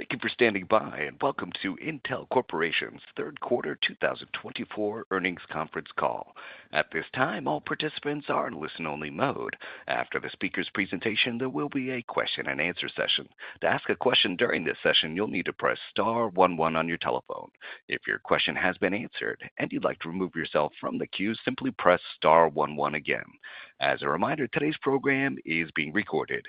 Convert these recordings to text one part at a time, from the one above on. Thank you for standing by, and welcome to Intel Corporation's Third Quarter 2024 Earnings Conference Call. At this time, all participants are in listen-only mode. After the speaker's presentation, there will be a question-and-answer session. To ask a question during this session, you'll need to press star one one on your telephone. If your question has been answered and you'd like to remove yourself from the queue, simply press star one one again. As a reminder, today's program is being recorded.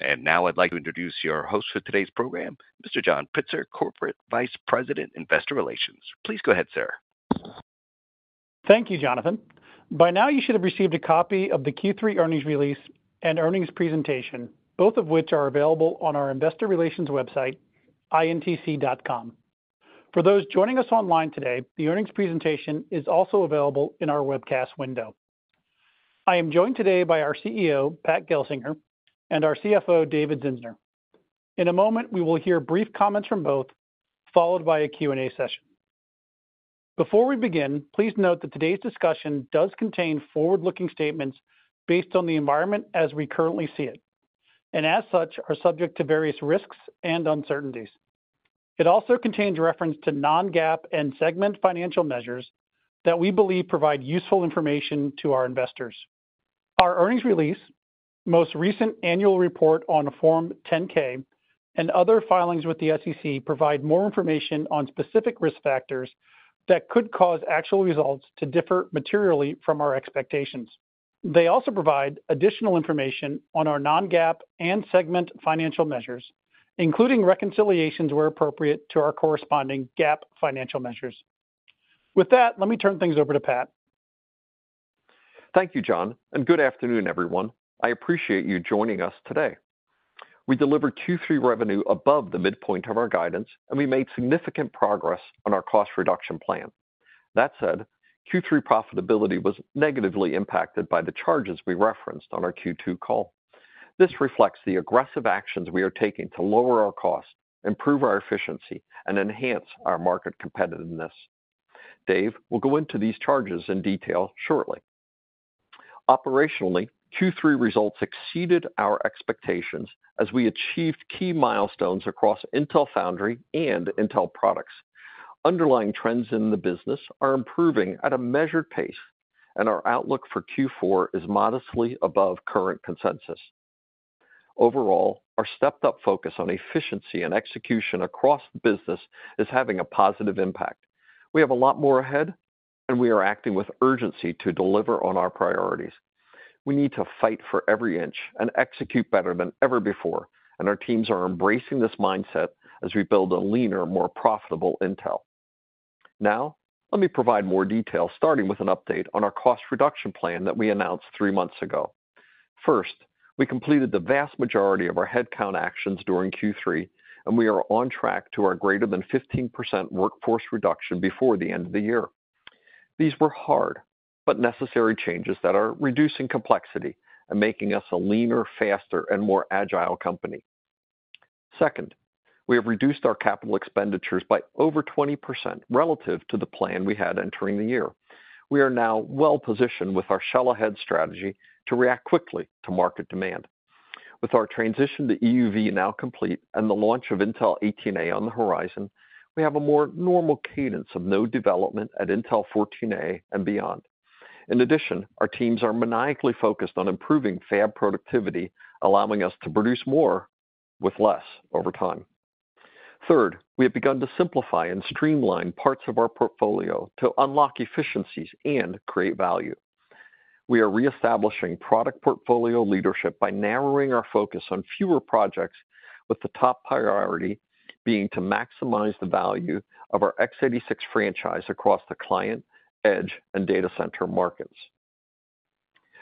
And now I'd like to introduce your host for today's program, Mr. John Pitzer, Corporate Vice President, Investor Relations. Please go ahead, sir. Thank you, Jonathan. By now, you should have received a copy of the Q3 earnings release and earnings presentation, both of which are available on our Investor Relations website, intc.com. For those joining us online today, the earnings presentation is also available in our webcast window. I am joined today by our CEO, Pat Gelsinger, and our CFO, David Zinsner. In a moment, we will hear brief comments from both, followed by a Q&A session. Before we begin, please note that today's discussion does contain forward-looking statements based on the environment as we currently see it, and as such, are subject to various risks and uncertainties. It also contains reference to non-GAAP and segment financial measures that we believe provide useful information to our investors. Our earnings release, most recent annual report on Form 10-K, and other filings with the SEC provide more information on specific risk factors that could cause actual results to differ materially from our expectations. They also provide additional information on our non-GAAP and segment financial measures, including reconciliations where appropriate to our corresponding GAAP financial measures. With that, let me turn things over to Pat. Thank you, John, and good afternoon, everyone. I appreciate you joining us today. We delivered Q3 revenue above the midpoint of our guidance, and we made significant progress on our cost reduction plan. That said, Q3 profitability was negatively impacted by the charges we referenced on our Q2 call. This reflects the aggressive actions we are taking to lower our cost, improve our efficiency, and enhance our market competitiveness. Dave will go into these charges in detail shortly. Operationally, Q3 results exceeded our expectations as we achieved key milestones across Intel Foundry and Intel Products. Underlying trends in the business are improving at a measured pace, and our outlook for Q4 is modestly above current consensus. Overall, our stepped-up focus on efficiency and execution across the business is having a positive impact. We have a lot more ahead, and we are acting with urgency to deliver on our priorities. We need to fight for every inch and execute better than ever before, and our teams are embracing this mindset as we build a leaner, more profitable Intel. Now, let me provide more detail, starting with an update on our cost reduction plan that we announced three months ago. First, we completed the vast majority of our headcount actions during Q3, and we are on track to our greater than 15% workforce reduction before the end of the year. These were hard but necessary changes that are reducing complexity and making us a leaner, faster, and more agile company. Second, we have reduced our capital expenditures by over 20% relative to the plan we had entering the year. We are now well-positioned with our shell-ahead strategy to react quickly to market demand. With our transition to EUV now complete and the launch of Intel 18A on the horizon, we have a more normal cadence of node development at Intel 14A and beyond. In addition, our teams are maniacally focused on improving fab productivity, allowing us to produce more with less over time. Third, we have begun to simplify and streamline parts of our portfolio to unlock efficiencies and create value. We are reestablishing product portfolio leadership by narrowing our focus on fewer projects, with the top priority being to maximize the value of our x86 franchise across the client, edge, and data center markets.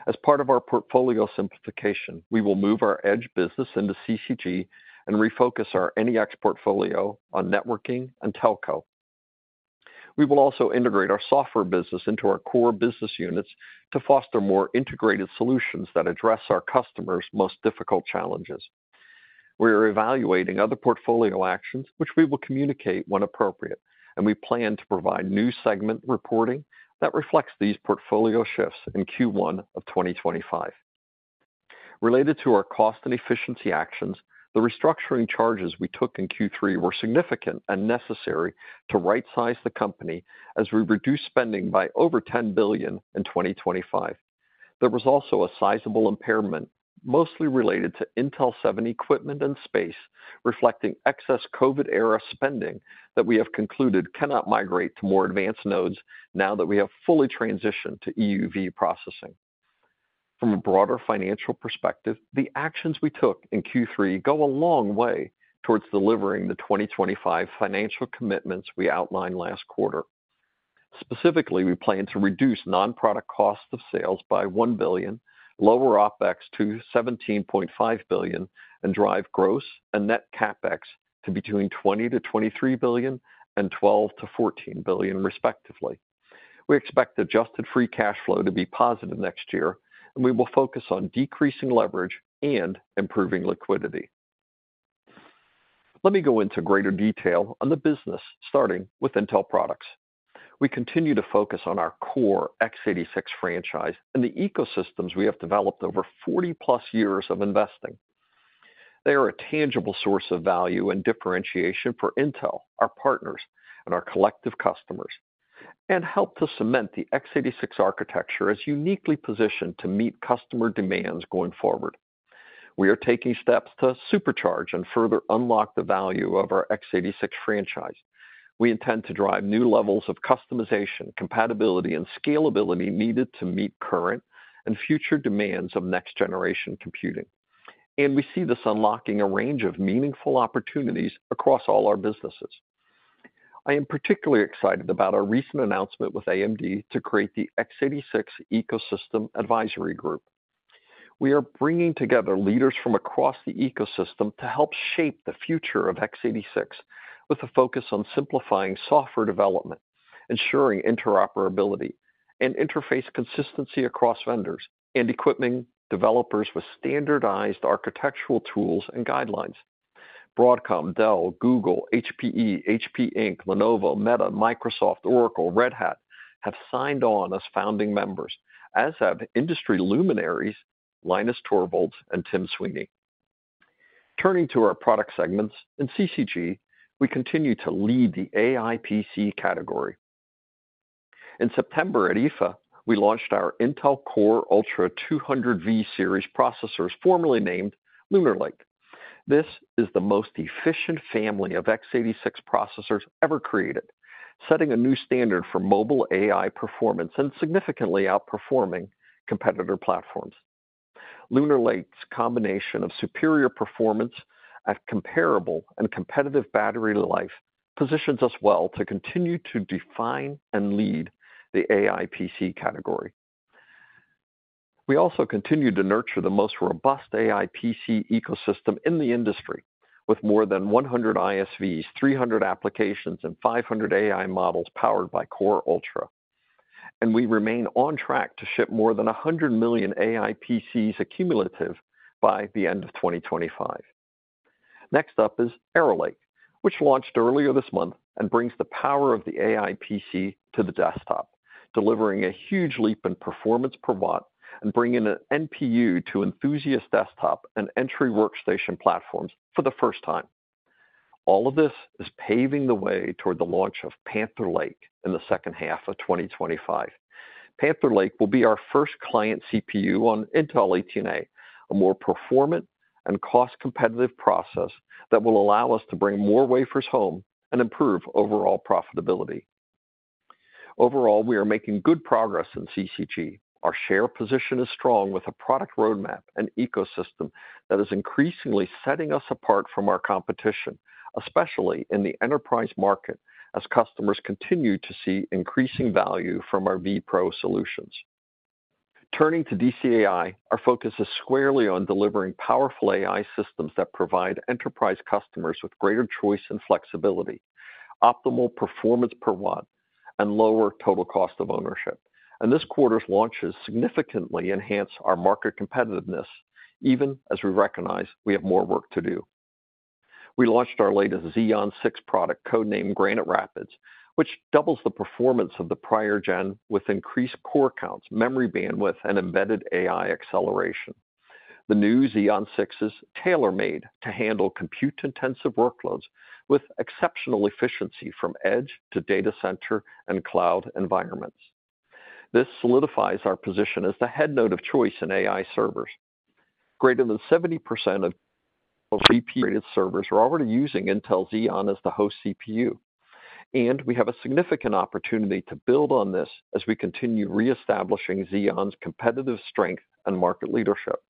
As part of our portfolio simplification, we will move our edge business into CCG and refocus our NEX portfolio on networking and telco. We will also integrate our software business into our core business units to foster more integrated solutions that address our customers' most difficult challenges. We are evaluating other portfolio actions, which we will communicate when appropriate, and we plan to provide new segment reporting that reflects these portfolio shifts in Q1 of 2025. Related to our cost and efficiency actions, the restructuring charges we took in Q3 were significant and necessary to right-size the company as we reduced spending by over $10 billion in 2025. There was also a sizable impairment mostly related to Intel 7 equipment and space, reflecting excess COVID-era spending that we have concluded cannot migrate to more advanced nodes now that we have fully transitioned to EUV processing. From a broader financial perspective, the actions we took in Q3 go a long way towards delivering the 2025 financial commitments we outlined last quarter. Specifically, we plan to reduce non-product costs of sales by $1 billion, lower OpEx to $17.5 billion, and drive gross and net CapEx to between $20 billion-$23 billion and $12 billion-$14 billion, respectively. We expect adjusted free cash flow to be positive next year, and we will focus on decreasing leverage and improving liquidity. Let me go into greater detail on the business, starting with Intel products. We continue to focus on our core x86 franchise and the ecosystems we have developed over 40-plus years of investing. They are a tangible source of value and differentiation for Intel, our partners, and our collective customers, and help to cement the x86 architecture as uniquely positioned to meet customer demands going forward. We are taking steps to supercharge and further unlock the value of our x86 franchise. We intend to drive new levels of customization, compatibility, and scalability needed to meet current and future demands of next-generation computing, and we see this unlocking a range of meaningful opportunities across all our businesses. I am particularly excited about our recent announcement with AMD to create the x86 Ecosystem Advisory Group. We are bringing together leaders from across the ecosystem to help shape the future of x86 with a focus on simplifying software development, ensuring interoperability, and interface consistency across vendors and equipment developers with standardized architectural tools and guidelines. Broadcom, Dell, Google, HPE, HP Inc., Lenovo, Meta, Microsoft, Oracle, Red Hat have signed on as founding members, as have industry luminaries Linus Torvalds and Tim Sweeney. Turning to our product segments, in CCG, we continue to lead the AI PC category. In September at IFA, we launched our Intel Core Ultra 200V series processors, formerly named Lunar Lake. This is the most efficient family of x86 processors ever created, setting a new standard for mobile AI performance and significantly outperforming competitor platforms. Lunar Lake's combination of superior performance at comparable and competitive battery life positions us well to continue to define and lead the AI PC category. We also continue to nurture the most robust AI PC ecosystem in the industry with more than 100 ISVs, 300 applications, and 500 AI models powered by Core Ultra. And we remain on track to ship more than 100 million AI PCs cumulative by the end of 2025. Next up is Arrow Lake, which launched earlier this month and brings the power of the AI PC to the desktop, delivering a huge leap in performance per watt and bringing an NPU to enthusiast desktop and entry workstation platforms for the first time. All of this is paving the way toward the launch of Panther Lake in the second half of 2025. Panther Lake will be our first client CPU on Intel 18A, a more performant and cost-competitive process that will allow us to bring more wafers home and improve overall profitability. Overall, we are making good progress in CCG. Our share position is strong with a product roadmap and ecosystem that is increasingly setting us apart from our competition, especially in the enterprise market as customers continue to see increasing value from our vPro solutions. Turning to DCAI, our focus is squarely on delivering powerful AI systems that provide enterprise customers with greater choice and flexibility, optimal performance per watt, and lower total cost of ownership, and this quarter's launches significantly enhance our market competitiveness, even as we recognize we have more work to do. We launched our latest Xeon 6 product, codenamed Granite Rapids, which doubles the performance of the prior gen with increased core counts, memory bandwidth, and embedded AI acceleration. The new Xeon 6 is tailor-made to handle compute-intensive workloads with exceptional efficiency from edge to data center and cloud environments. This solidifies our position as the head node of choice in AI servers. Greater than 70% of GPU-rated servers are already using Intel Xeon as the host CPU, and we have a significant opportunity to build on this as we continue reestablishing Xeon's competitive strength and market leadership.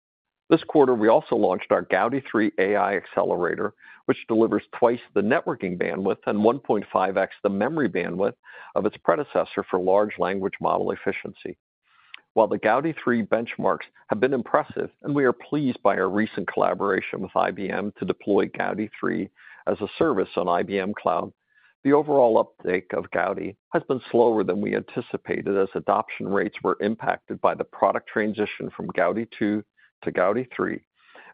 This quarter, we also launched our Gaudi 3 AI accelerator, which delivers twice the networking bandwidth and 1.5x the memory bandwidth of its predecessor for large language model efficiency. While the Gaudi 3 benchmarks have been impressive and we are pleased by our recent collaboration with IBM to deploy Gaudi 3 as a service on IBM Cloud, the overall uptake of Gaudi has been slower than we anticipated as adoption rates were impacted by the product transition from Gaudi 2 to Gaudi 3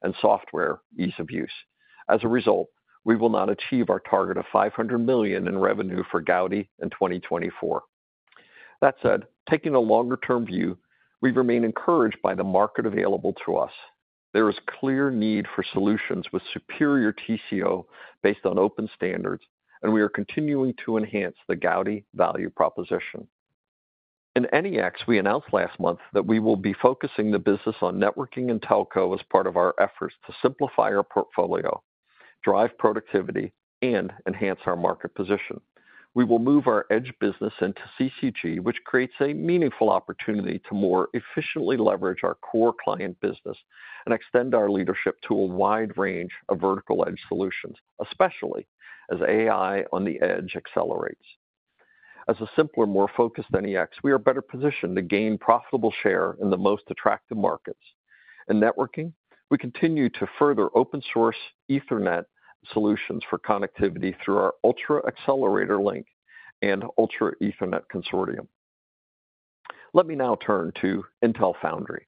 and software ease of use. As a result, we will not achieve our target of $500 million in revenue for Gaudi in 2024. That said, taking a longer-term view, we remain encouraged by the market available to us. There is clear need for solutions with superior TCO based on open standards, and we are continuing to enhance the Gaudi value proposition. In NEX, we announced last month that we will be focusing the business on networking and telco as part of our efforts to simplify our portfolio, drive productivity, and enhance our market position. We will move our edge business into CCG, which creates a meaningful opportunity to more efficiently leverage our core client business and extend our leadership to a wide range of vertical edge solutions, especially as AI on the edge accelerates. As a simpler, more focused NEX, we are better positioned to gain profitable share in the most attractive markets. In networking, we continue to further open-source Ethernet solutions for connectivity through our Ultra Accelerator Link and Ultra Ethernet Consortium. Let me now turn to Intel Foundry.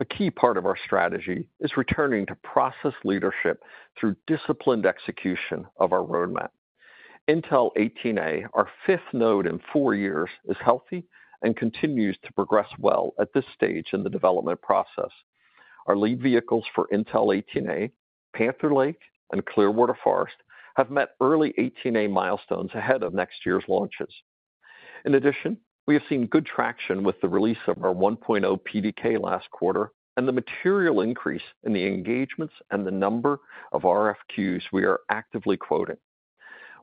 A key part of our strategy is returning to process leadership through disciplined execution of our roadmap. Intel 18A, our fifth node in four years, is healthy and continues to progress well at this stage in the development process. Our lead vehicles for Intel 18A, Panther Lake and Clearwater Forest, have met early 18A milestones ahead of next year's launches. In addition, we have seen good traction with the release of our 1.0 PDK last quarter and the material increase in the engagements and the number of RFQs we are actively quoting.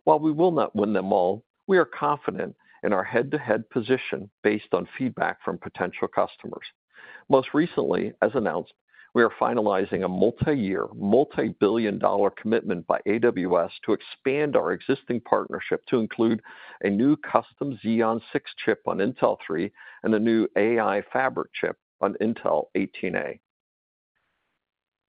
While we will not win them all, we are confident in our head-to-head position based on feedback from potential customers. Most recently, as announced, we are finalizing a multi-year, multi-billion-dollar commitment by AWS to expand our existing partnership to include a new custom Xeon 6 chip on Intel 3 and a new AI Fabric chip on Intel 18A.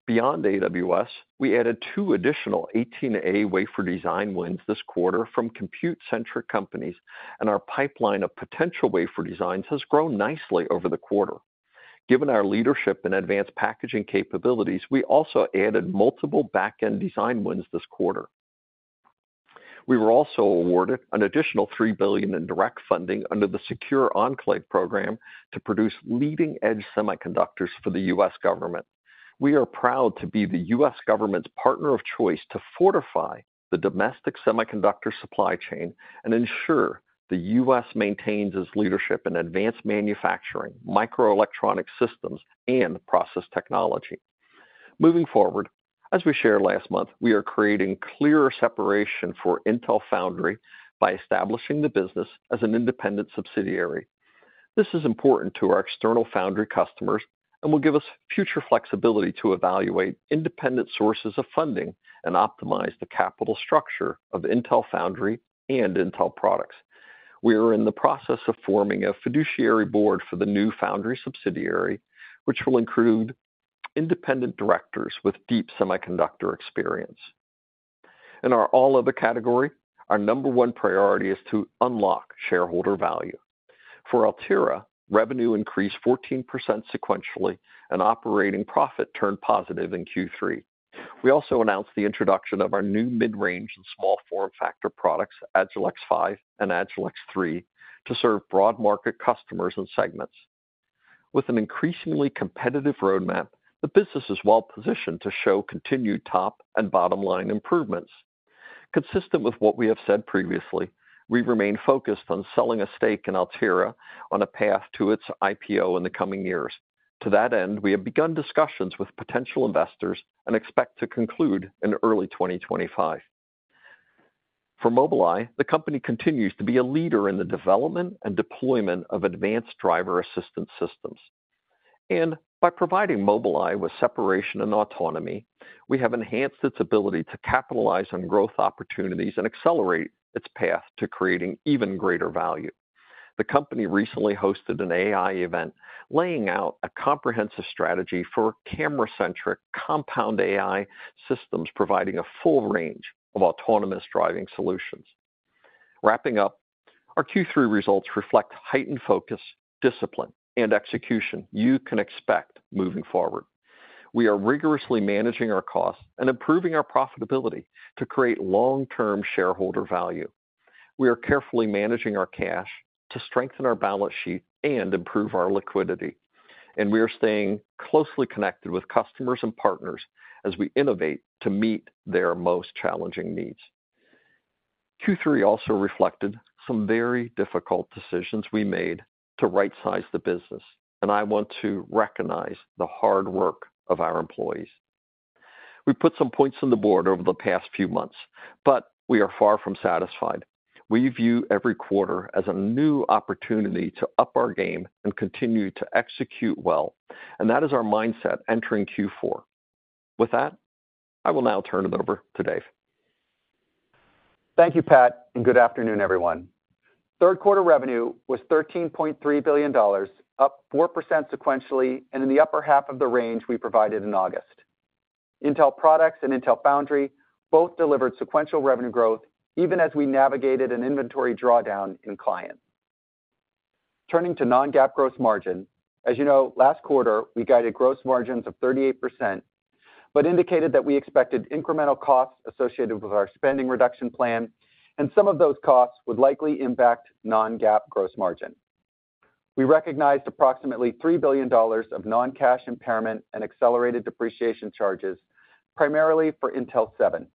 Beyond AWS, we added two additional 18A wafer design wins this quarter from compute-centric companies, and our pipeline of potential wafer designs has grown nicely over the quarter. Given our leadership and advanced packaging capabilities, we also added multiple back-end design wins this quarter. We were also awarded an additional $3 billion in direct funding under the Secure Enclave program to produce leading-edge semiconductors for the U.S. government. We are proud to be the U.S. government's partner of choice to fortify the domestic semiconductor supply chain and ensure the U.S. maintains its leadership in advanced manufacturing, microelectronic systems, and process technology. Moving forward, as we shared last month, we are creating clearer separation for Intel Foundry by establishing the business as an independent subsidiary. This is important to our external Foundry customers and will give us future flexibility to evaluate independent sources of funding and optimize the capital structure of Intel Foundry and Intel Products. We are in the process of forming a fiduciary board for the new Foundry subsidiary, which will include independent directors with deep semiconductor experience. In our all-other category, our number one priority is to unlock shareholder value. For Altera, revenue increased 14% sequentially and operating profit turned positive in Q3. We also announced the introduction of our new mid-range and small form factor products, Agilex 5 and Agilex 3, to serve broad market customers and segments. With an increasingly competitive roadmap, the business is well positioned to show continued top and bottom-line improvements. Consistent with what we have said previously, we remain focused on selling a stake in Altera on a path to its IPO in the coming years. To that end, we have begun discussions with potential investors and expect to conclude in early 2025. For Mobileye, the company continues to be a leader in the development and deployment of advanced driver assistance systems, and by providing Mobileye with separation and autonomy, we have enhanced its ability to capitalize on growth opportunities and accelerate its path to creating even greater value. The company recently hosted an AI event laying out a comprehensive strategy for camera-centric compound AI systems providing a full range of autonomous driving solutions. Wrapping up, our Q3 results reflect heightened focus, discipline, and execution you can expect moving forward. We are rigorously managing our costs and improving our profitability to create long-term shareholder value. We are carefully managing our cash to strengthen our balance sheet and improve our liquidity. And we are staying closely connected with customers and partners as we innovate to meet their most challenging needs. Q3 also reflected some very difficult decisions we made to right-size the business, and I want to recognize the hard work of our employees. We put some points on the board over the past few months, but we are far from satisfied. We view every quarter as a new opportunity to up our game and continue to execute well, and that is our mindset entering Q4. With that, I will now turn it over to Dave. Thank you, Pat, and good afternoon, everyone. Third quarter revenue was $13.3 billion, up 4% sequentially and in the upper half of the range we provided in August. Intel Products and Intel Foundry both delivered sequential revenue growth even as we navigated an inventory drawdown in clients. Turning to non-GAAP gross margin, as you know, last quarter, we guided gross margins of 38%, but indicated that we expected incremental costs associated with our spending reduction plan, and some of those costs would likely impact non-GAAP gross margin. We recognized approximately $3 billion of non-cash impairment and accelerated depreciation charges, primarily for Intel 7,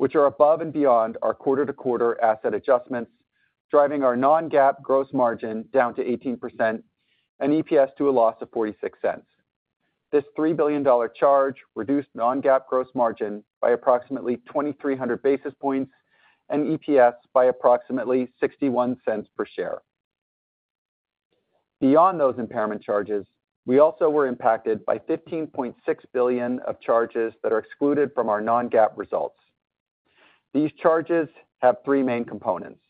which are above and beyond our quarter-to-quarter asset adjustments, driving our non-GAAP gross margin down to 18% and EPS to a loss of $0.46. This $3 billion charge reduced non-GAAP gross margin by approximately 2,300 basis points and EPS by approximately $0.61 per share. Beyond those impairment charges, we also were impacted by $15.6 billion of charges that are excluded from our non-GAAP results. These charges have three main components.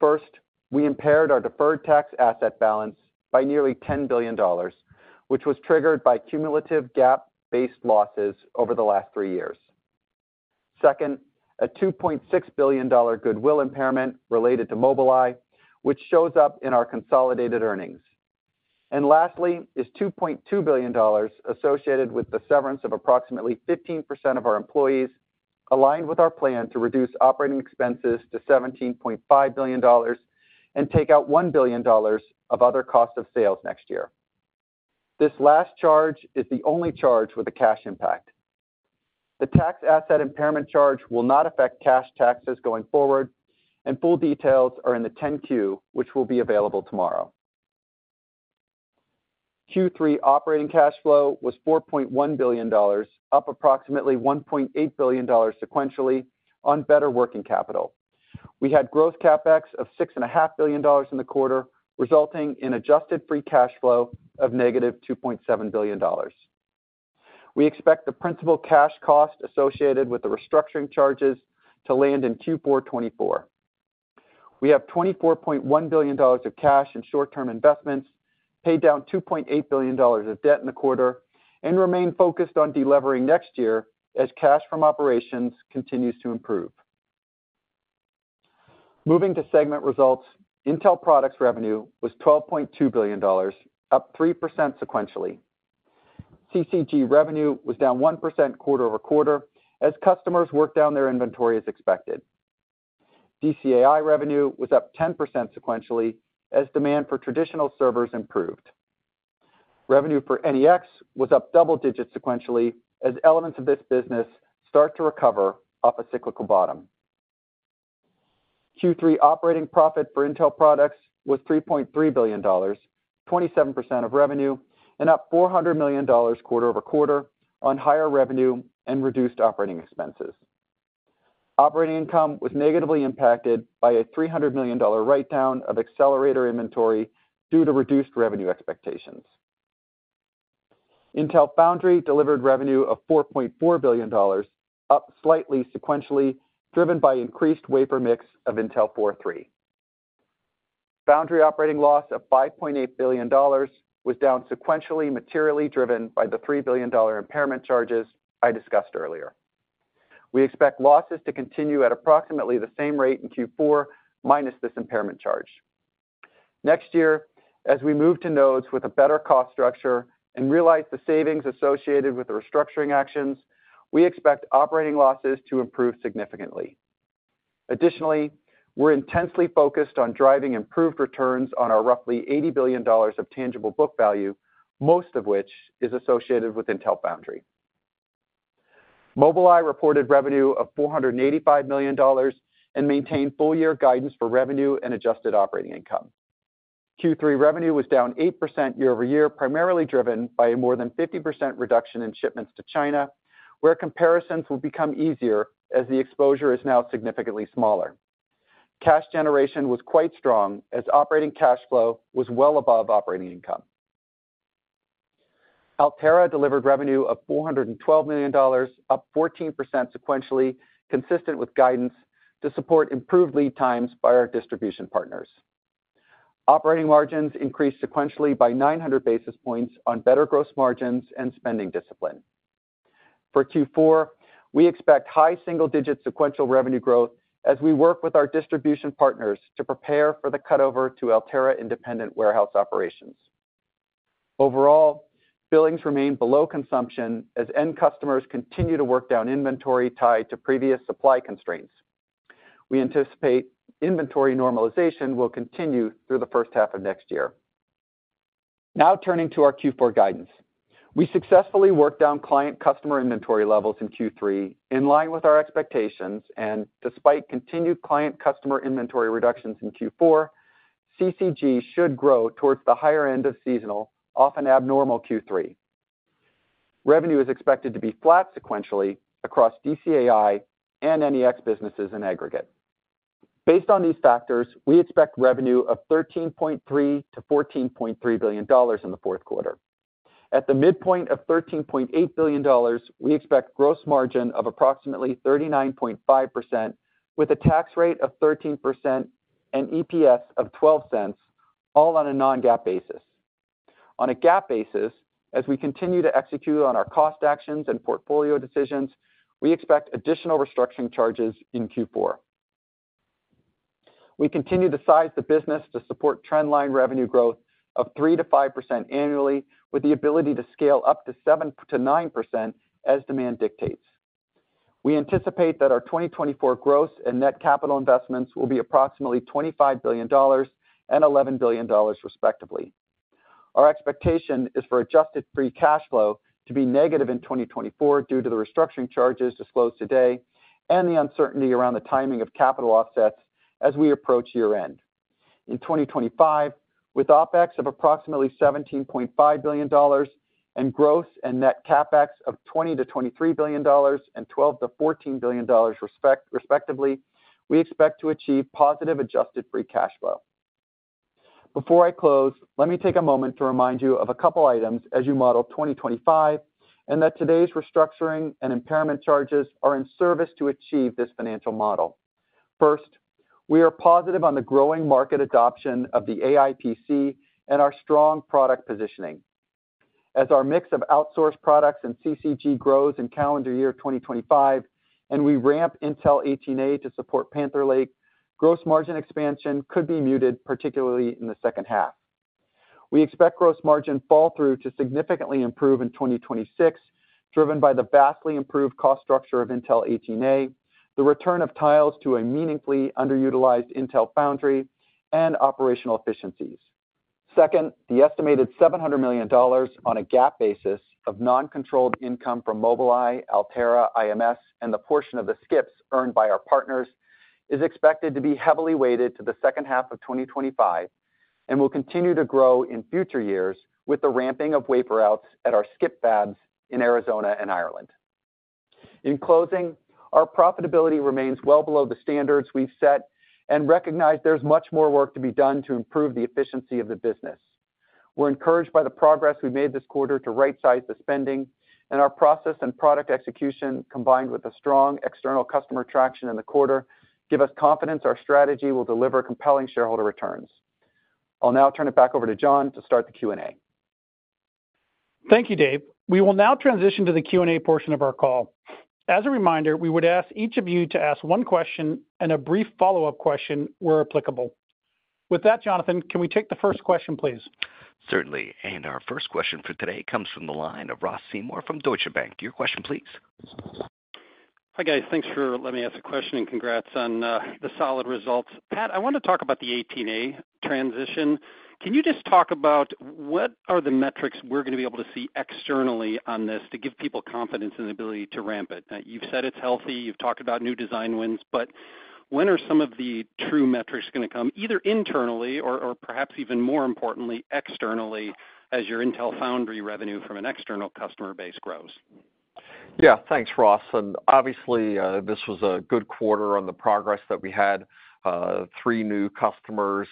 First, we impaired our deferred tax asset balance by nearly $10 billion, which was triggered by cumulative GAAP-based losses over the last three years. Second, a $2.6 billion goodwill impairment related to Mobileye, which shows up in our consolidated earnings. Lastly, $2.2 billion is associated with the severance of approximately 15% of our employees, aligned with our plan to reduce operating expenses to $17.5 billion and take out $1 billion of other costs of sales next year. This last charge is the only charge with a cash impact. The tax asset impairment charge will not affect cash taxes going forward, and full details are in the 10-Q, which will be available tomorrow. Q3 operating cash flow was $4.1 billion, up approximately $1.8 billion sequentially on better working capital. We had growth CapEx of $6.5 billion in the quarter, resulting in adjusted free cash flow of -$2.7 billion. We expect the principal cash cost associated with the restructuring charges to land in Q4 2024. We have $24.1 billion of cash and short-term investments, paid down $2.8 billion of debt in the quarter, and remain focused on delivering next year as cash from operations continues to improve. Moving to segment results, Intel Products revenue was $12.2 billion, up 3% sequentially. CCG revenue was down 1% quarter-over-quarter as customers worked down their inventory as expected. DCAI revenue was up 10% sequentially as demand for traditional servers improved. Revenue for NEX was up double digits sequentially as elements of this business start to recover off a cyclical bottom. Q3 operating profit for Intel Products was $3.3 billion, 27% of revenue, and up $400 million quarter-over-quarter on higher revenue and reduced operating expenses. Operating income was negatively impacted by a $300 million write-down of accelerator inventory due to reduced revenue expectations. Intel Foundry delivered revenue of $4.4 billion, up slightly sequentially, driven by increased wafer mix of Intel 4, 3. Foundry operating loss of $5.8 billion was down sequentially, materially driven by the $3 billion impairment charges I discussed earlier. We expect losses to continue at approximately the same rate in Q4, minus this impairment charge. Next year, as we move to nodes with a better cost structure and realize the savings associated with the restructuring actions, we expect operating losses to improve significantly. Additionally, we're intensely focused on driving improved returns on our roughly $80 billion of tangible book value, most of which is associated with Intel Foundry. Mobileye reported revenue of $485 million and maintained full-year guidance for revenue and adjusted operating income. Q3 revenue was down 8% year-over-year, primarily driven by a more than 50% reduction in shipments to China, where comparisons will become easier as the exposure is now significantly smaller. Cash generation was quite strong as operating cash flow was well above operating income. Altera delivered revenue of $412 million, up 14% sequentially, consistent with guidance to support improved lead times by our distribution partners. Operating margins increased sequentially by 900 basis points on better gross margins and spending discipline. For Q4, we expect high single-digit sequential revenue growth as we work with our distribution partners to prepare for the cutover to Altera independent warehouse operations. Overall, billings remain below consumption as end customers continue to work down inventory tied to previous supply constraints. We anticipate inventory normalization will continue through the first half of next year. Now turning to our Q4 guidance, we successfully worked down client-customer inventory levels in Q3 in line with our expectations and, despite continued client-customer inventory reductions in Q4, CCG should grow towards the higher end of seasonal, often abnormal Q3. Revenue is expected to be flat sequentially across DCAI and NEX businesses in aggregate. Based on these factors, we expect revenue of $13.3 billion-$14.3 billion in the fourth quarter. At the midpoint of $13.8 billion, we expect gross margin of approximately 39.5% with a tax rate of 13% and EPS of $0.12, all on a non-GAAP basis. On a GAAP basis, as we continue to execute on our cost actions and portfolio decisions, we expect additional restructuring charges in Q4. We continue to size the business to support trendline revenue growth of 3%-5% annually, with the ability to scale up to 7%-9% as demand dictates. We anticipate that our 2024 gross and net capital investments will be approximately $25 billion and $11 billion, respectively. Our expectation is for adjusted free cash flow to be negative in 2024 due to the restructuring charges disclosed today and the uncertainty around the timing of capital offsets as we approach year-end. In 2025, with OpEx of approximately $17.5 billion and gross and net CapEx of $20 billion-$23 billion and $12 billion-$14 billion, respectively, we expect to achieve positive adjusted free cash flow. Before I close, let me take a moment to remind you of a couple of items as you model 2025 and that today's restructuring and impairment charges are in service to achieve this financial model. First, we are positive on the growing market adoption of the AI PC and our strong product positioning. As our mix of outsourced products and CCG grows in calendar year 2025 and we ramp Intel 18A to support Panther Lake, gross margin expansion could be muted, particularly in the second half. We expect gross margin fall-through to significantly improve in 2026, driven by the vastly improved cost structure of Intel 18A, the return of tiles to a meaningfully underutilized Intel Foundry, and operational efficiencies. Second, the estimated $700 million on a GAAP basis of non-controlled income from Mobileye, Altera, IMS, and the portion of the SCIPs earned by our partners is expected to be heavily weighted to the second half of 2025 and will continue to grow in future years with the ramping of wafer starts at our SCIP fabs in Arizona and Ireland. In closing, our profitability remains well below the standards we've set, and recognize there's much more work to be done to improve the efficiency of the business. We're encouraged by the progress we made this quarter to right-size the spending, and our process and product execution, combined with a strong external customer traction in the quarter, give us confidence our strategy will deliver compelling shareholder returns. I'll now turn it back over to John to start the Q&A. Thank you, Dave. We will now transition to the Q&A portion of our call. As a reminder, we would ask each of you to ask one question and a brief follow-up question where applicable. With that, Jonathan, can we take the first question, please? Certainly. And our first question for today comes from the line of Ross Seymore from Deutsche Bank. Your question, please. Hi, guys. Thanks for letting me ask a question and congrats on the solid results. Pat, I want to talk about the 18A transition. Can you just talk about what are the metrics we're going to be able to see externally on this to give people confidence in the ability to ramp it? You've said it's healthy. You've talked about new design wins, but when are some of the true metrics going to come, either internally or perhaps even more importantly, externally as your Intel Foundry revenue from an external customer base grows? Yeah, thanks, Ross. And obviously, this was a good quarter on the progress that we had. Three new customers,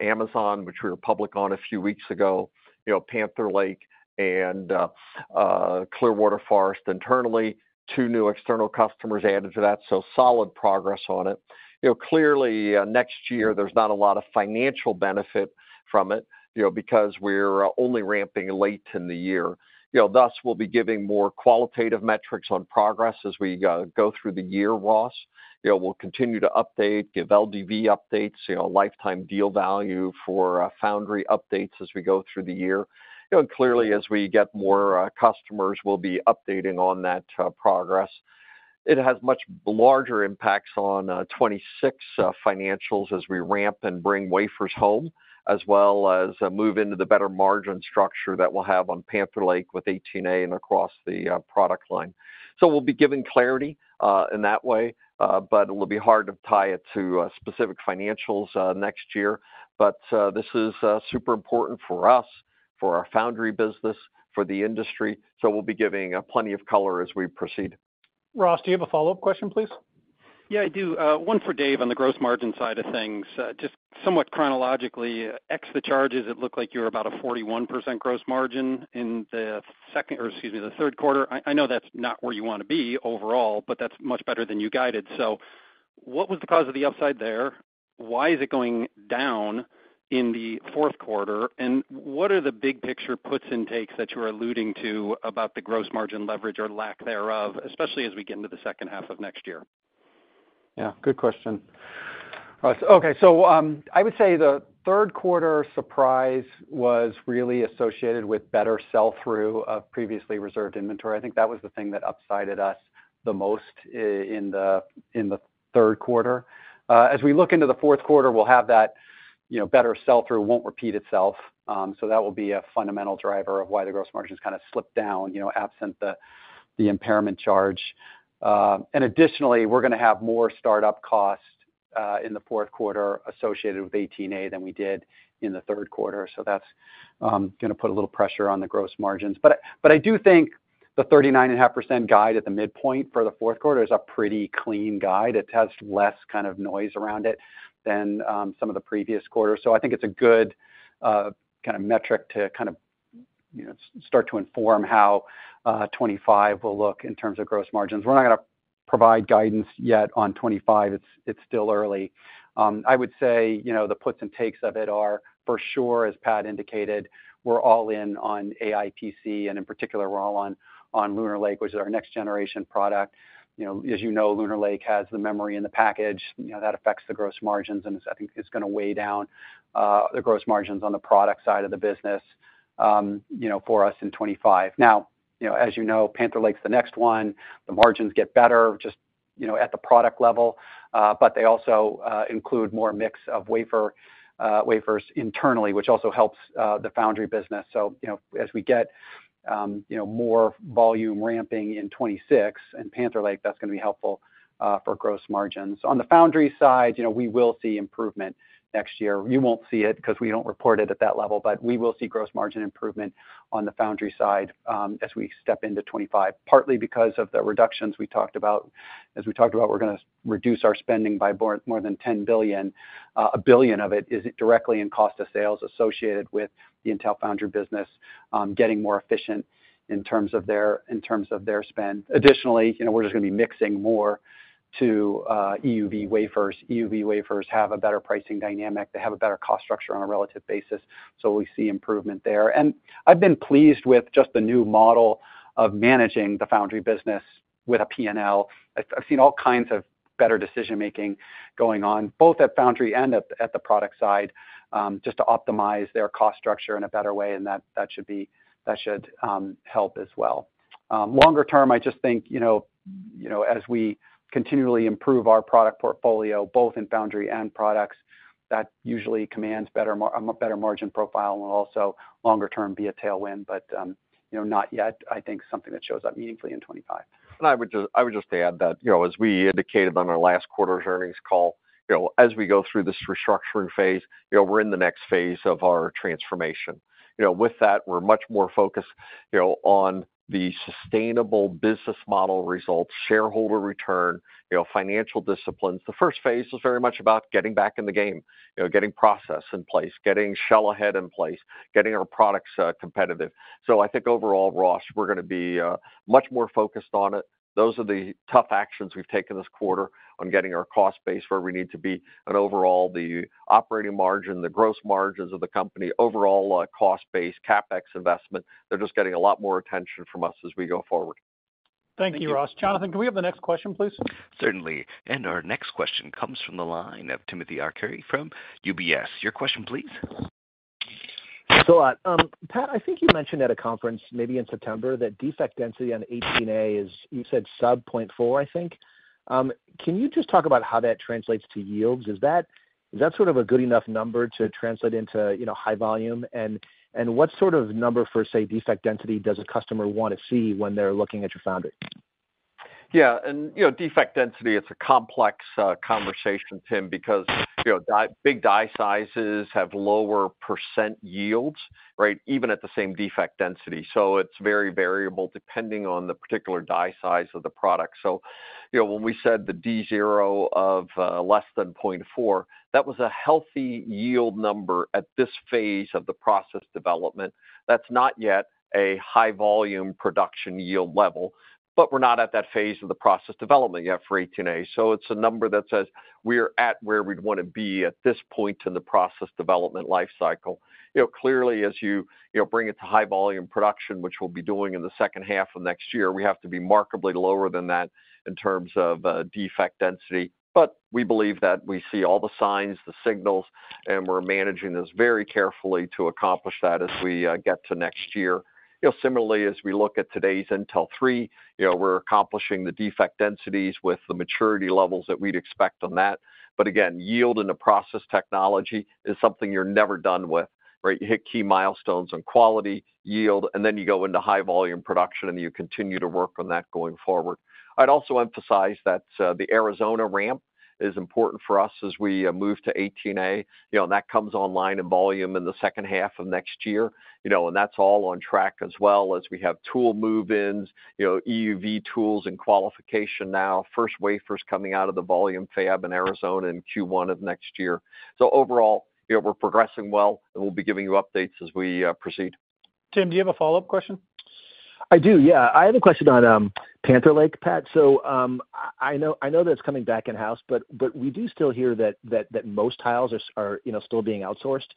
Amazon, which we went public on a few weeks ago, Panther Lake, and Clearwater Forest internally, two new external customers added to that. So solid progress on it. Clearly, next year, there's not a lot of financial benefit from it because we're only ramping late in the year. Thus, we'll be giving more qualitative metrics on progress as we go through the year, Ross. We'll continue to update, give LDV updates, Lifetime Deal Value for Foundry updates as we go through the year. And clearly, as we get more customers, we'll be updating on that progress. It has much larger impacts on 2026 financials as we ramp and bring wafers home, as well as move into the better margin structure that we'll have on Panther Lake with 18A and across the product line. So we'll be giving clarity in that way, but it'll be hard to tie it to specific financials next year. But this is super important for us, for our Foundry business, for the industry. So we'll be giving plenty of color as we proceed. Ross, do you have a follow-up question, please? Yeah, I do. One for Dave on the gross margin side of things. Just somewhat chronologically, ex the charges, it looked like you were about a 41% gross margin in the second or, excuse me, the third quarter. I know that's not where you want to be overall, but that's much better than you guided. So what was the cause of the upside there? Why is it going down in the fourth quarter? And what are the big picture puts and takes that you were alluding to about the gross margin leverage or lack thereof, especially as we get into the second half of next year? Yeah, good question. Okay. So I would say the third quarter surprise was really associated with better sell-through of previously reserved inventory. I think that was the thing that upsided us the most in the third quarter. As we look into the fourth quarter, we'll have that better sell-through won't repeat itself. So that will be a fundamental driver of why the gross margins kind of slipped down, absent the impairment charge, and additionally, we're going to have more startup cost in the fourth quarter associated with 18A than we did in the third quarter. So that's going to put a little pressure on the gross margins, but I do think the 39.5% guide at the midpoint for the fourth quarter is a pretty clean guide. It has less kind of noise around it than some of the previous quarters, so I think it's a good kind of metric to kind of start to inform how 2025 will look in terms of gross margins. We're not going to provide guidance yet on 2025. It's still early. I would say the puts and takes of it are, for sure, as Pat indicated, we're all in on AI PC. And in particular, we're all on Lunar Lake, which is our next-generation product. As you know, Lunar Lake has the memory in the package. That affects the gross margins, and I think it's going to weigh down the gross margins on the product side of the business for us in 2025. Now, as you know, Panther Lake's the next one. The margins get better just at the product level, but they also include more mix of wafers internally, which also helps the Foundry business. So as we get more volume ramping in 2026 and Panther Lake, that's going to be helpful for gross margins. On the Foundry side, we will see improvement next year. You won't see it because we don't report it at that level, but we will see gross margin improvement on the Foundry side as we step into 2025, partly because of the reductions we talked about. As we talked about, we're going to reduce our spending by more than $10 billion. A billion of it is directly in cost of sales associated with the Intel Foundry business getting more efficient in terms of their spend. Additionally, we're just going to be mixing more to EUV wafers. EUV wafers have a better pricing dynamic. They have a better cost structure on a relative basis. So we see improvement there. And I've been pleased with just the new model of managing the Foundry business with a P&L. I've seen all kinds of better decision-making going on, both at Foundry and at the product side, just to optimize their cost structure in a better way. And that should help as well. Longer term, I just think as we continually improve our product portfolio, both in Foundry and products, that usually commands a better margin profile and will also longer term be a tailwind, but not yet, I think, something that shows up meaningfully in 2025. And I would just add that, as we indicated on our last quarter's earnings call, as we go through this restructuring phase, we're in the next phase of our transformation. With that, we're much more focused on the sustainable business model results, shareholder return, financial disciplines. The first phase was very much about getting back in the game, getting process in place, getting shell-ahead in place, getting our products competitive. So I think overall, Ross, we're going to be much more focused on it. Those are the tough actions we've taken this quarter on getting our cost base where we need to be. And overall, the operating margin, the gross margins of the company, overall cost base, CapEx investment, they're just getting a lot more attention from us as we go forward. Thank you, Ross. Jonathan, can we have the next question, please? Certainly. And our next question comes from the line of Timothy Arcuri from UBS. Your question, please. Pat, I think you mentioned at a conference maybe in September that defect density on 18A is, you said, sub 0.4, I think. Can you just talk about how that translates to yields? Is that sort of a good enough number to translate into high volume? What sort of number for, say, defect density does a customer want to see when they're looking at your foundry? Yeah. Defect density, it's a complex conversation, Tim, because big die sizes have lower percentage yields, right, even at the same defect density. It's very variable depending on the particular die size of the product. When we said the D0 of less than 0.4, that was a healthy yield number at this phase of the process development. That's not yet a high-volume production yield level, but we're not at that phase of the process development yet for 18A. It's a number that says we're at where we'd want to be at this point in the process development lifecycle. Clearly, as you bring it to high-volume production, which we'll be doing in the second half of next year, we have to be markedly lower than that in terms of defect density. But we believe that we see all the signs, the signals, and we're managing this very carefully to accomplish that as we get to next year. Similarly, as we look at today's Intel 3, we're accomplishing the defect densities with the maturity levels that we'd expect on that. But again, yield in the process technology is something you're never done with, right? You hit key milestones in quality, yield, and then you go into high-volume production, and you continue to work on that going forward. I'd also emphasize that the Arizona ramp is important for us as we move to 18A. That comes online in volume in the second half of next year. And that's all on track as well as we have tool move-ins, EUV tools and qualification now, first wafers coming out of the volume fab in Arizona in Q1 of next year. So overall, we're progressing well and we'll be giving you updates as we proceed. Tim, do you have a follow-up question? I do, yeah. I have a question on Panther Lake, Pat. So I know that it's coming back in-house, but we do still hear that most tiles are still being outsourced.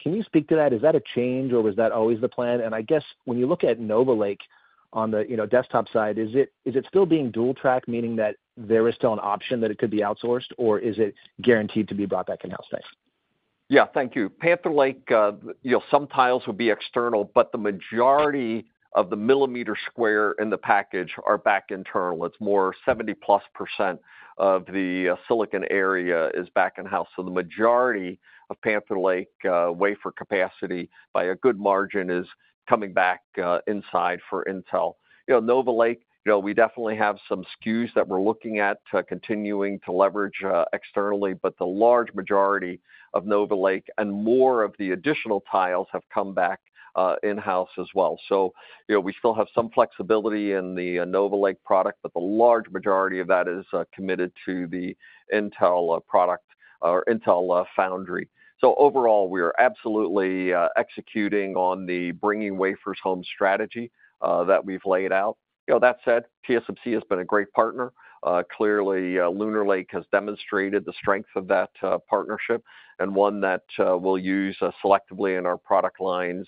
Can you speak to that? Is that a change, or was that always the plan? And I guess when you look at Nova Lake on the desktop side, is it still being dual-track, meaning that there is still an option that it could be outsourced, or is it guaranteed to be brought back in-house next? Yeah, thank you. Panther Lake, some tiles will be external, but the majority of the millimeter square in the package are back internal. It's more 70+% of the silicon area is back in-house. So the majority of Panther Lake wafer capacity by a good margin is coming back inside for Intel. Nova Lake, we definitely have some SKUs that we're looking at continuing to leverage externally, but the large majority of Nova Lake and more of the additional tiles have come back in-house as well. So we still have some flexibility in the Nova Lake product, but the large majority of that is committed to the Intel product or Intel Foundry. So overall, we are absolutely executing on the bringing wafers home strategy that we've laid out. That said, TSMC has been a great partner. Clearly, Lunar Lake has demonstrated the strength of that partnership and one that we'll use selectively in our product lines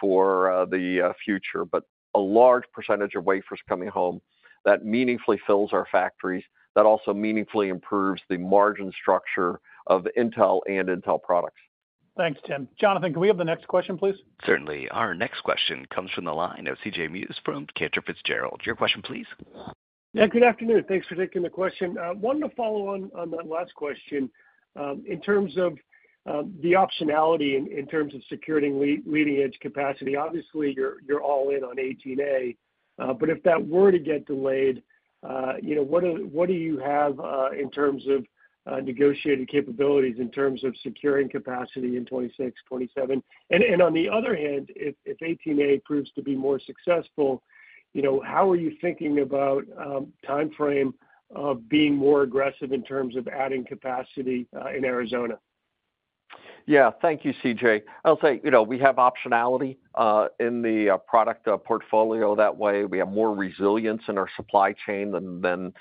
for the future. But a large percentage of wafers coming home that meaningfully fills our factories, that also meaningfully improves the margin structure of Intel and Intel Products. Thanks, Tim. Jonathan, can we have the next question, please? Certainly. Our next question comes from the line of C.J. Muse from Cantor Fitzgerald. Your question, please. Yeah, good afternoon. Thanks for taking the question. I wanted to follow on that last question. In terms of the optionality in terms of securing leading-edge capacity, obviously, you're all in on 18A. But if that were to get delayed, what do you have in terms of negotiated capabilities in terms of securing capacity in 2026, 2027? And on the other hand, if 18A proves to be more successful, how are you thinking about timeframe of being more aggressive in terms of adding capacity in Arizona? Yeah, thank you, CJ. I'll say we have optionality in the product portfolio that way. We have more resilience in our supply chain than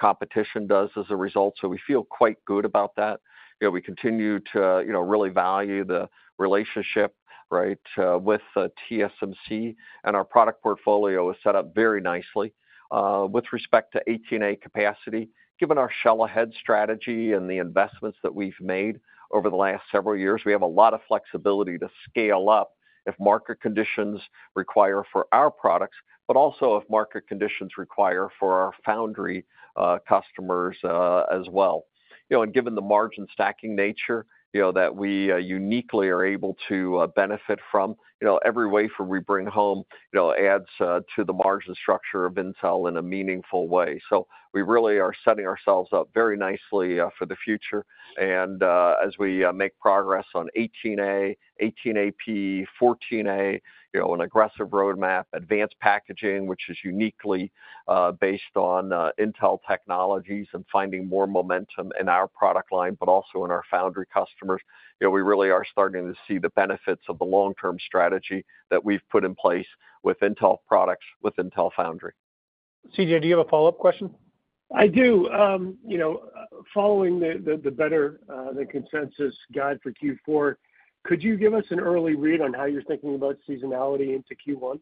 competition does as a result. So we feel quite good about that. We continue to really value the relationship, right, with TSMC. And our product portfolio is set up very nicely. With respect to 18A capacity, given our shell-ahead strategy and the investments that we've made over the last several years, we have a lot of flexibility to scale up if market conditions require for our products, but also if market conditions require for our Foundry customers as well. Given the margin stacking nature that we uniquely are able to benefit from, every wafer we bring home adds to the margin structure of Intel in a meaningful way. So we really are setting ourselves up very nicely for the future. And as we make progress on 18A, 18AP, 14A, an aggressive roadmap, advanced packaging, which is uniquely based on Intel technologies, and finding more momentum in our product line, but also in our Foundry customers, we really are starting to see the benefits of the long-term strategy that we've put in place with Intel Products, with Intel Foundry. C.J., do you have a follow-up question? I do. Following the better than consensus guidance for Q4, could you give us an early read on how you're thinking about seasonality into Q1?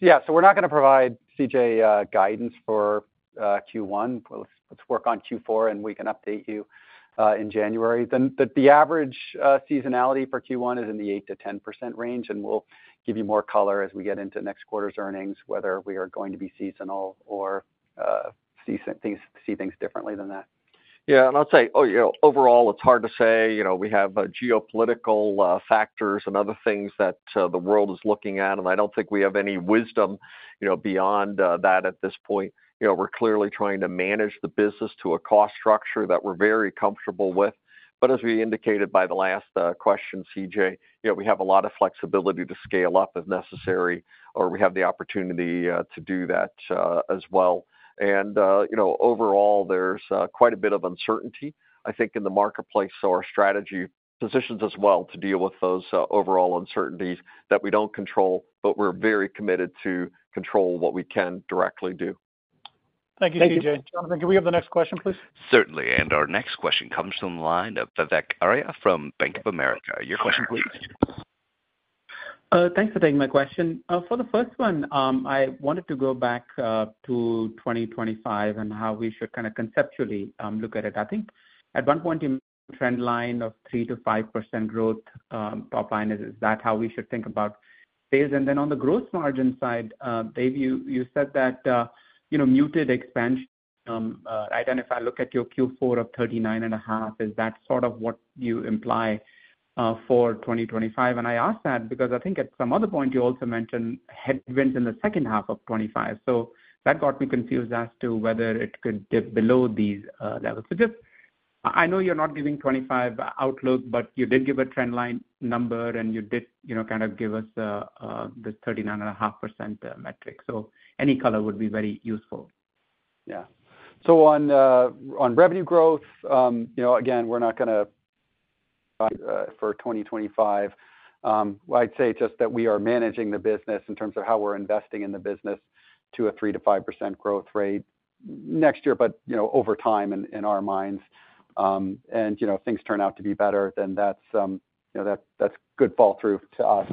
Yeah. So we're not going to provide Q1 guidance for Q1. Let's work on Q4, and we can update you in January. The average seasonality for Q1 is in the 8%-10% range, and we'll give you more color as we get into next quarter's earnings, whether we are going to be seasonal or see things differently than that. Yeah, and I'll say, overall, it's hard to say. We have geopolitical factors and other things that the world is looking at, and I don't think we have any wisdom beyond that at this point. We're clearly trying to manage the business to a cost structure that we're very comfortable with, but as we indicated by the last question, CJ, we have a lot of flexibility to scale up if necessary, or we have the opportunity to do that as well, and overall, there's quite a bit of uncertainty, I think, in the marketplace. So our strategy positions us well to deal with those overall uncertainties that we don't control, but we're very committed to control what we can directly do. Thank you, CJ. can we have the next question, please? Certainly. And our next question comes from the line of Vivek Arya from Bank of America. Your question, please. Thanks for taking my question. For the first one, I wanted to go back to 2025 and how we should kind of conceptually look at it. I think at one point, you mentioned trend line of 3%-5% growth top line. Is that how we should think about sales? And then on the gross margin side, Dave, you said that muted expansion. And if I look at your Q4 of 39.5%, is that sort of what you imply for 2025? I ask that because I think at some other point, you also mentioned headwinds in the second half of 2025. So that got me confused as to whether it could dip below these levels. I know you're not giving 2025 outlook, but you did give a trend line number, and you did kind of give us this 39.5% metric. So any color would be very useful. Yeah. So on revenue growth, again, we're not going to for 2025. I'd say just that we are managing the business in terms of how we're investing in the business to a 3%-5% growth rate next year, but over time in our minds. And if things turn out to be better, then that's good follow-through to us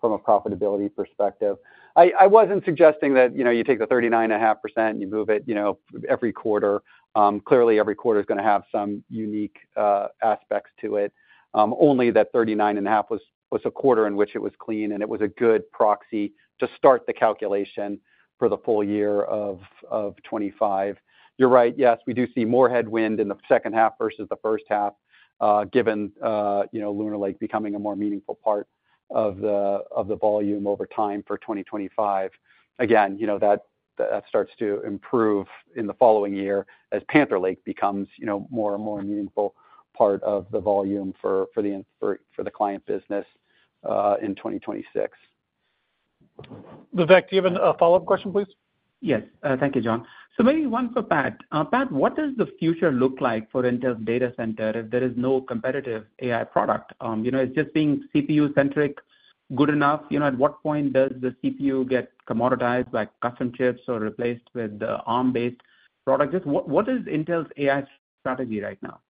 from a profitability perspective. I wasn't suggesting that you take the 39.5% and you move it every quarter. Clearly, every quarter is going to have some unique aspects to it. Only that 39.5% was a quarter in which it was clean, and it was a good proxy to start the calculation for the full year of 2025. You're right. Yes, we do see more headwind in the second half versus the first half, given Lunar Lake becoming a more meaningful part of the volume over time for 2025. Again, that starts to improve in the following year as Panther Lake becomes more and more a meaningful part of the volume for the client business in 2026. Vivek, do you have a follow-up question, please? Yes. Thank you, John. So maybe one for Pat. Pat, what does the future look like for Intel's data center if there is no competitive AI product? Is just being CPU-centric good enough? At what point does the CPU get commoditized by custom chips or replaced with the Arm-based product? What is Intel's AI strategy right now?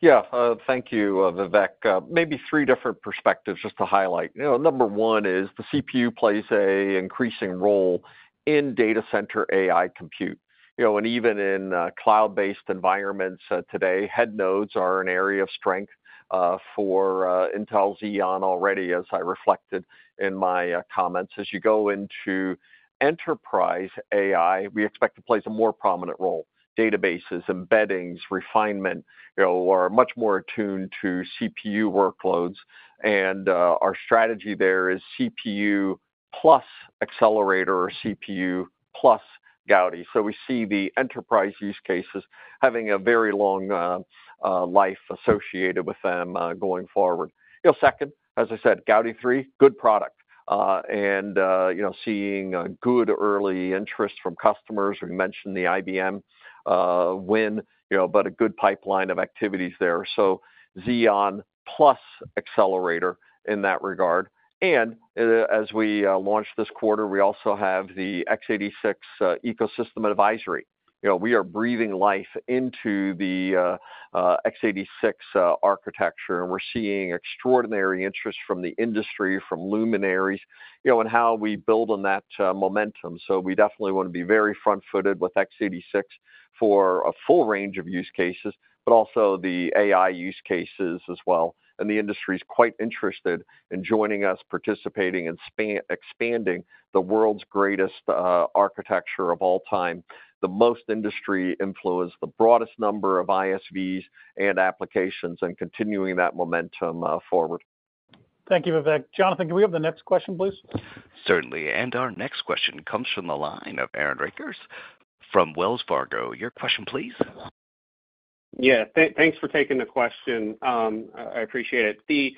Yeah. Thank you, Vivek. Maybe three different perspectives just to highlight. Number one is the CPU plays an increasing role in data center AI compute. And even in cloud-based environments today, head nodes are an area of strength for Intel's Xeon already, as I reflected in my comments. As you go into enterprise AI, we expect to play a more prominent role. Databases, embeddings, refinement are much more attuned to CPU workloads. And our strategy there is CPU plus accelerator or CPU plus Gaudi. So we see the enterprise use cases having a very long life associated with them going forward. Second, as I said, Gaudi 3, good product. And seeing good early interest from customers. We mentioned the IBM win, but a good pipeline of activities there. So Xeon plus accelerator in that regard. And as we launch this quarter, we also have the x86 ecosystem advisory. We are breathing life into the x86 architecture, and we're seeing extraordinary interest from the industry, from luminaries, and how we build on that momentum. So we definitely want to be very front-footed with x86 for a full range of use cases, but also the AI use cases as well. And the industry is quite interested in joining us, participating in expanding the world's greatest architecture of all time, the most industry influence, the broadest number of ISVs and applications, and continuing that momentum forward. Thank you, Vivek. Jonathan, can we have the next question, please? Certainly. And our next question comes from the line of Aaron Rakers from Wells Fargo. Your question, please. Yeah. Thanks for taking the question. I appreciate it.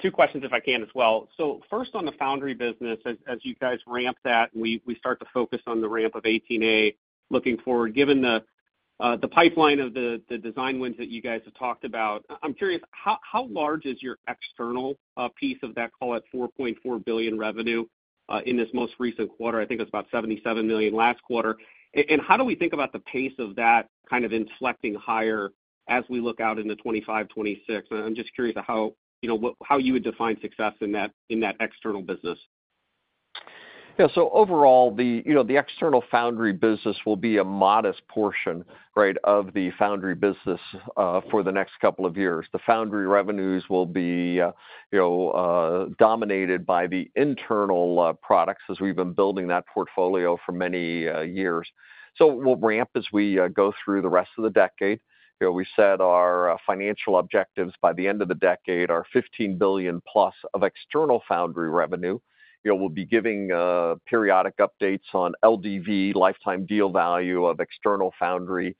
Two questions, if I can, as well. So first, on the Foundry business, as you guys ramp that, we start to focus on the ramp of 18A looking forward. Given the pipeline of the design wins that you guys have talked about, I'm curious, how large is your external piece of that, call it $4.4 billion revenue in this most recent quarter? I think it was about $77 million last quarter. And how do we think about the pace of that kind of inflecting higher as we look out into 2025, 2026? I'm just curious how you would define success in that external business. Yeah. So overall, the external Foundry business will be a modest portion, right, of the Foundry business for the next couple of years. The Foundry revenues will be dominated by the internal products as we've been building that portfolio for many years. So we'll ramp as we go through the rest of the decade. We set our financial objectives by the end of the decade, our $15 billion plus of external Foundry revenue. We'll be giving periodic updates on LDV, lifetime deal value of external Foundry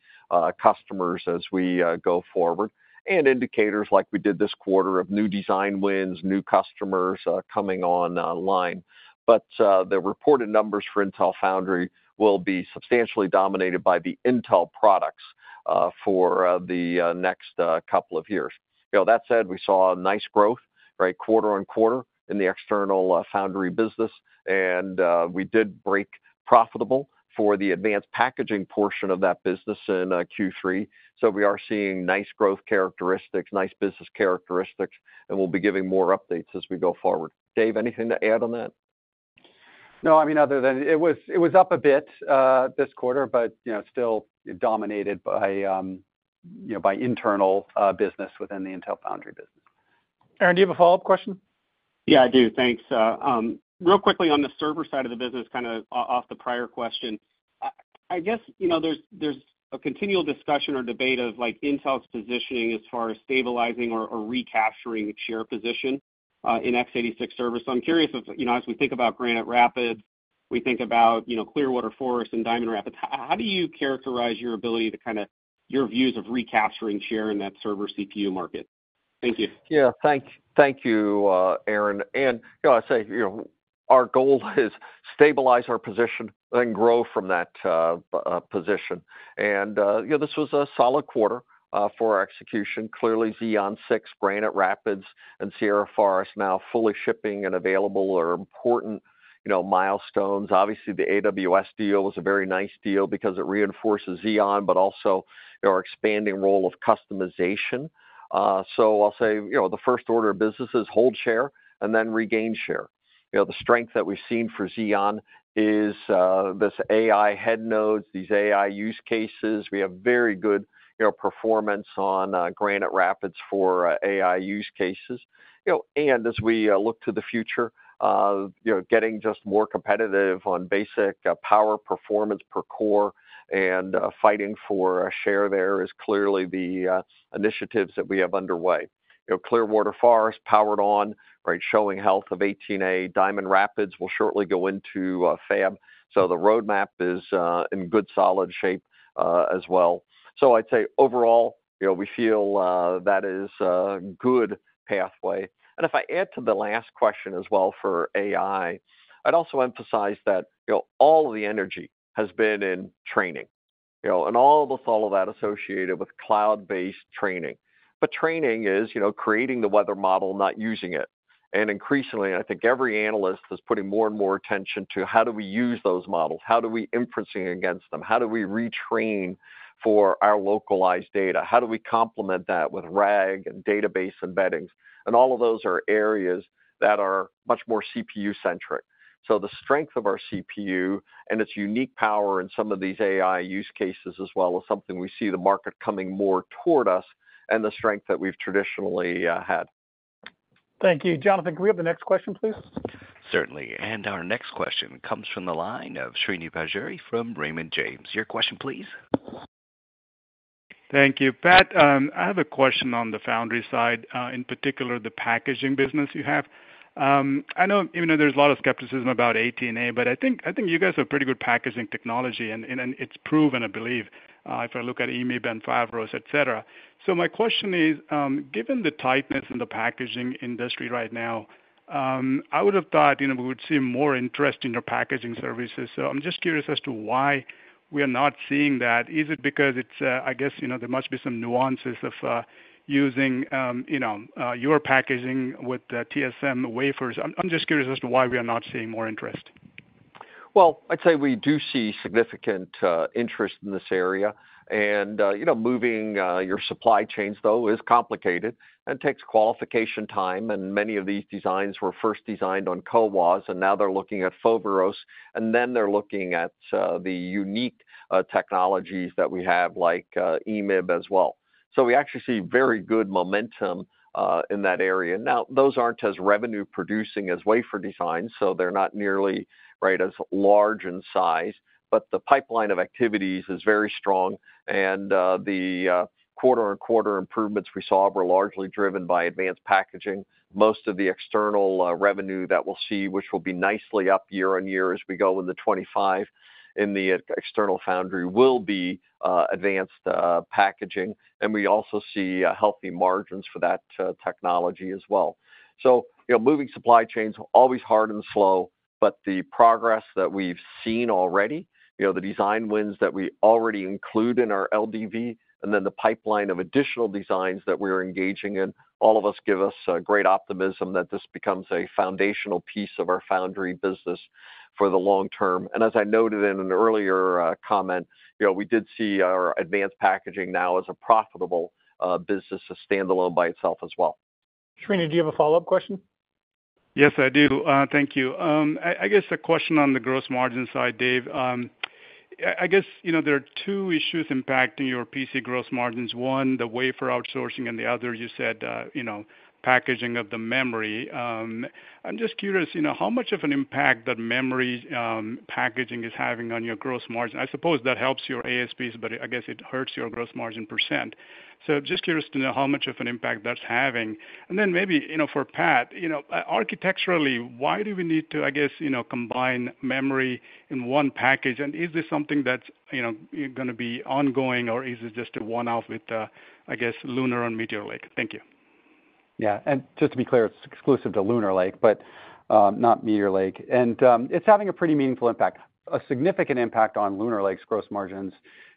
customers as we go forward, and indicators like we did this quarter of new design wins, new customers coming online. But the reported numbers for Intel Foundry will be substantially dominated by the Intel Products for the next couple of years. That said, we saw nice growth, right, quarter-on-quarter in the external Foundry business. And we did break profitable for the advanced packaging portion of that business in Q3. So we are seeing nice growth characteristics, nice business characteristics, and we'll be giving more updates as we go forward. Dave, anything to add on that? No, I mean, other than it was up a bit this quarter, but still dominated by internal business within the Intel Foundry business. Aaron, do you have a follow-up question? Yeah, I do. Thanks. Really quickly on the server side of the business, kind of off the prior question, I guess there's a continual discussion or debate of Intel's positioning as far as stabilizing or recapturing share position in x86 servers. So I'm curious, as we think about Granite Rapids, we think about Clearwater Forest and Diamond Rapids. How do you characterize your ability to kind of your views of recapturing share in that server CPU market? Thank you. Yeah. Thank you, Aaron. And I'll say our goal is stabilize our position and grow from that position. And this was a solid quarter for execution. Clearly, Xeon 6, Granite Rapids, and Sierra Forest now fully shipping and available are important milestones. Obviously, the AWS deal was a very nice deal because it reinforces Xeon, but also our expanding role of customization. So I'll say the first order of business is hold share and then regain share. The strength that we've seen for Xeon is this AI head nodes, these AI use cases. We have very good performance on Granite Rapids for AI use cases. And as we look to the future, getting just more competitive on basic power performance per core and fighting for share there is clearly the initiatives that we have underway. Clearwater Forest powered on, right, showing health of 18A. Diamond Rapids will shortly go into fab, so the roadmap is in good solid shape as well, so I'd say overall, we feel that is a good pathway, and if I add to the last question as well for AI, I'd also emphasize that all of the energy has been in training, and all of that associated with cloud-based training, but training is creating the weather model, not using it, and increasingly, I think every analyst is putting more and more attention to how do we use those models? How do we infer against them? How do we retrain for our localized data? How do we complement that with RAG and database embeddings? And all of those are areas that are much more CPU-centric. So the strength of our CPU and its unique power in some of these AI use cases as well is something we see the market coming more toward us and the strength that we've traditionally had. Thank you. Jonathan, can we have the next question, please? Certainly. And our next question comes from the line of Srini Pajjuri from Raymond James. Your question, please. Thank you. Pat, I have a question on the Foundry side, in particular the packaging business you have. I know there's a lot of skepticism about 18A, but I think you guys have pretty good packaging technology, and it's proven, I believe, if I look at EMIB and Foveros, etc. So my question is, given the tightness in the packaging industry right now, I would have thought we would see more interest in your packaging services. I'm just curious as to why we are not seeing that. Is it because it's, I guess, there must be some nuances of using your packaging with TSMC wafers? I'm just curious as to why we are not seeing more interest. Well, I'd say we do see significant interest in this area. And moving your supply chains, though, is complicated and takes qualification time. And many of these designs were first designed on CoWoS, and now they're looking at Foveros, and then they're looking at the unique technologies that we have, like EMIB as well. So we actually see very good momentum in that area. Now, those aren't as revenue-producing as wafer designs, so they're not nearly as large in size. But the pipeline of activities is very strong, and the quarter-on-quarter improvements we saw were largely driven by advanced packaging. Most of the external revenue that we'll see, which will be nicely up year-on-year as we go in 2025 in the external Foundry, will be advanced packaging. And we also see healthy margins for that technology as well. So moving supply chains is always hard and slow, but the progress that we've seen already, the design wins that we already include in our LDV, and then the pipeline of additional designs that we're engaging in, all of this gives us great optimism that this becomes a foundational piece of our Foundry business for the long term. And as I noted in an earlier comment, we did see our advanced packaging now as a profitable business, a standalone by itself as well. Srini, do you have a follow-up question? Yes, I do. Thank you. I guess the question on the gross margin side, Dave. I guess there are two issues impacting your PC gross margins. One, the wafer outsourcing, and the other, you said, packaging of the memory. I'm just curious how much of an impact that memory packaging is having on your gross margin. I suppose that helps your ASPs, but I guess it hurts your gross margin percent. So I'm just curious to know how much of an impact that's having. And then maybe for Pat, architecturally, why do we need to, I guess, combine memory in one package? And is this something that's going to be ongoing, or is it just a one-off with, I guess, Lunar and Meteor Lake? Thank you. Yeah. And just to be clear, it's exclusive to Lunar Lake, but not Meteor Lake. It's having a pretty meaningful impact, a significant impact on Lunar Lake's gross margins.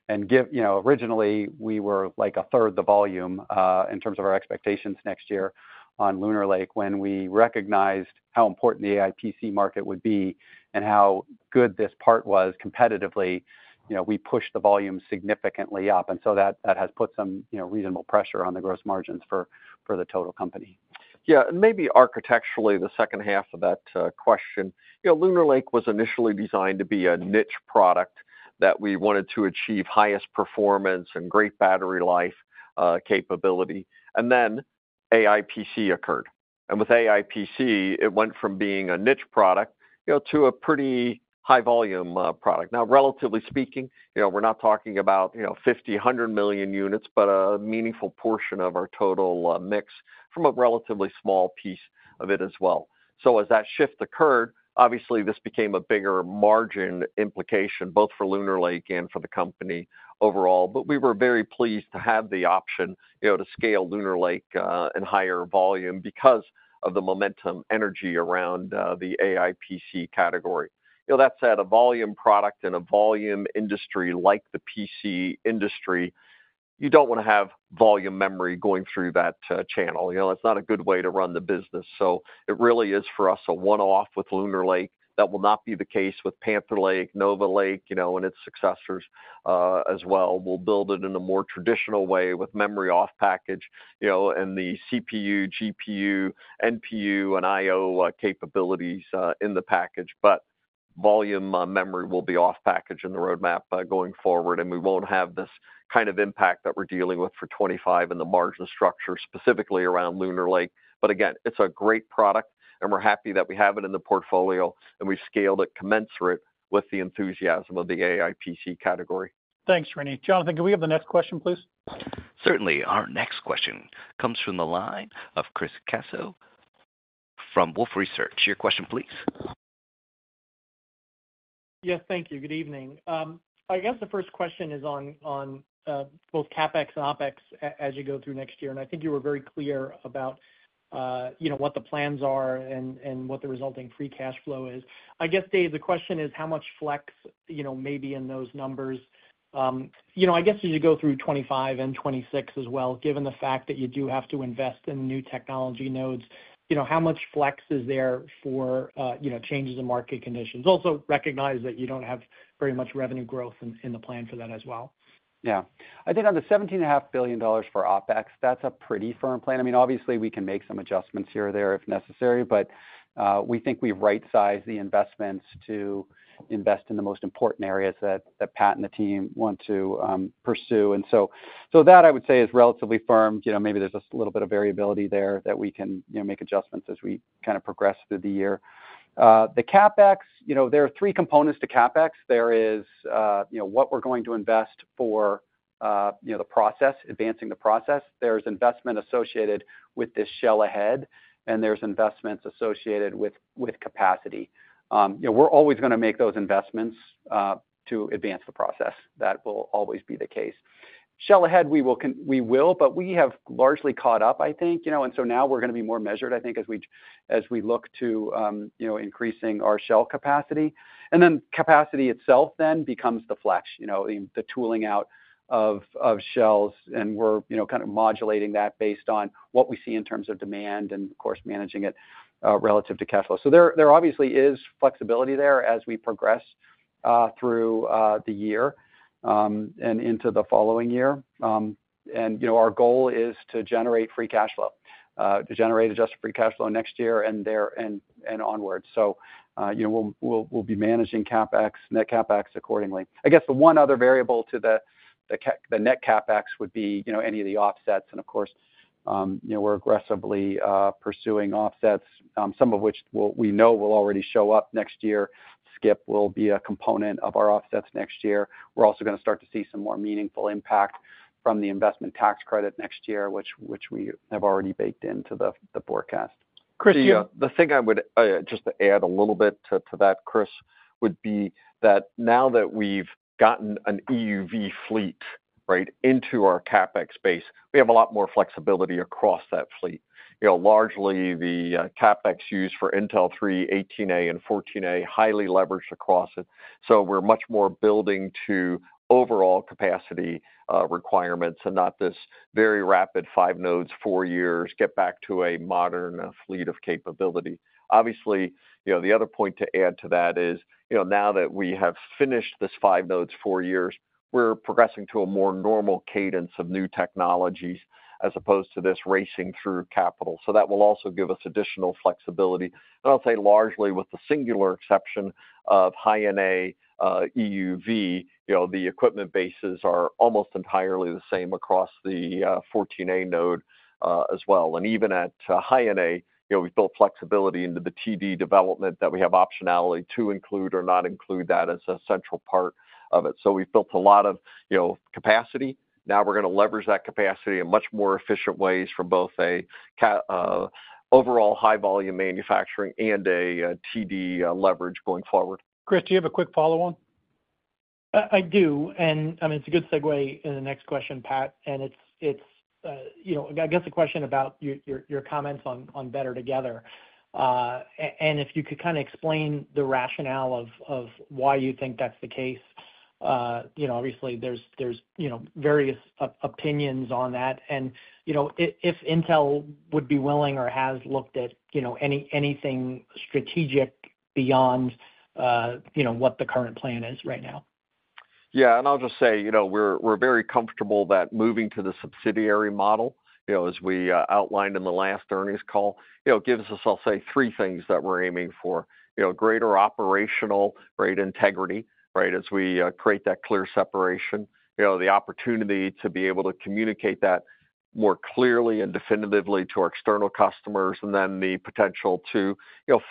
Originally, we were like a third the volume in terms of our expectations next year on Lunar Lake. When we recognized how important the AI PC market would be and how good this part was competitively, we pushed the volume significantly up. So that has put some reasonable pressure on the gross margins for the total company. Yeah. Maybe architecturally, the second half of that question, Lunar Lake was initially designed to be a niche product that we wanted to achieve highest performance and great battery life capability. Then AI PC occurred. With AI PC, it went from being a niche product to a pretty high-volume product. Now, relatively speaking, we're not talking about 50, 100 million units, but a meaningful portion of our total mix from a relatively small piece of it as well. So as that shift occurred, obviously, this became a bigger margin implication both for Lunar Lake and for the company overall. But we were very pleased to have the option to scale Lunar Lake in higher volume because of the momentum energy around the AI PC category. That said, a volume product in a volume industry like the PC industry, you don't want to have volume memory going through that channel. It's not a good way to run the business. So it really is, for us, a one-off with Lunar Lake. That will not be the case with Panther Lake, Nova Lake, and its successors as well. We'll build it in a more traditional way with memory off-package and the CPU, GPU, NPU, and I/O capabilities in the package, but volume memory will be off-package in the roadmap going forward, and we won't have this kind of impact that we're dealing with for 2025 in the margin structure specifically around Lunar Lake, but again, it's a great product, and we're happy that we have it in the portfolio, and we've scaled it commensurate with the enthusiasm of the AI PC category. Thanks, Srini. Jonathan, can we have the next question, please? Certainly. Our next question comes from the line of Chris Caso from Wolfe Research. Your question, please. Yes. Thank you. Good evening. I guess the first question is on both CapEx and OpEx as you go through next year. I think you were very clear about what the plans are and what the resulting free cash flow is. I guess, Dave, the question is how much flex may be in those numbers. I guess as you go through 2025 and 2026 as well, given the fact that you do have to invest in new technology nodes, how much flex is there for changes in market conditions? Also recognize that you don't have very much revenue growth in the plan for that as well. Yeah. I think on the $17.5 billion for OpEx, that's a pretty firm plan. I mean, obviously, we can make some adjustments here or there if necessary, but we think we've right-sized the investments to invest in the most important areas that Pat and the team want to pursue. And so that, I would say, is relatively firm. Maybe there's a little bit of variability there that we can make adjustments as we kind of progress through the year. The CapEx, there are three components to CapEx. There is what we're going to invest for the process, advancing the process. There's investment associated with this shell-ahead, and there's investments associated with capacity. We're always going to make those investments to advance the process. That will always be the case. Shell-ahead, we will, but we have largely caught up, I think. And so now we're going to be more measured, I think, as we look to increasing our shell capacity, and then capacity itself then becomes the flex, the tooling out of shells, and we're kind of modulating that based on what we see in terms of demand and, of course, managing it relative to cash flow. So there obviously is flexibility there as we progress through the year and into the following year. And our goal is to generate free cash flow, to generate adjusted free cash flow next year and onwards. So we'll be managing net CapEx accordingly. I guess the one other variable to the net CapEx would be any of the offsets. And of course, we're aggressively pursuing offsets, some of which we know will already show up next year. CHIPS will be a component of our offsets next year. We're also going to start to see some more meaningful impact from the investment tax credit next year, which we have already baked into the forecast. Chris, you- The thing I would just add a little bit to that, Chris, would be that now that we've gotten an EUV fleet, right, into our CapEx space, we have a lot more flexibility across that fleet. Largely, the CapEx used for Intel 3, 18A, and 14A highly leveraged across it. So we're much more building to overall capacity requirements and not this very rapid five nodes, four years, get back to a modern fleet of capability. Obviously, the other point to add to that is now that we have finished this five nodes, four years, we're progressing to a more normal cadence of new technologies as opposed to this racing through capital. So that will also give us additional flexibility, and I'll say largely with the singular exception of High-NA EUV, the equipment bases are almost entirely the same across the 14A node as well. And even at High-NA, we've built flexibility into the TD development that we have optionality to include or not include that as a central part of it. So we've built a lot of capacity. Now we're going to leverage that capacity in much more efficient ways from both an overall high-volume manufacturing and a TD leverage going forward. Chris, do you have a quick follow-on? I do. And I mean, it's a good segue into the next question, Pat. And I guess the question about your comments on Better Together. And if you could kind of explain the rationale of why you think that's the case. Obviously, there's various opinions on that. And if Intel would be willing or has looked at anything strategic beyond what the current plan is right now. Yeah. And I'll just say we're very comfortable that moving to the subsidiary model, as we outlined in the last earnings call, gives us, I'll say, three things that we're aiming for: greater operational integrity as we create that clear separation, the opportunity to be able to communicate that more clearly and definitively to our external customers, and then the potential to